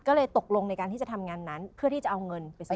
ก็เลยตกลงในการทำงานนั้นเพื่อที่จะเอาเงินไปซื้อเกงยีน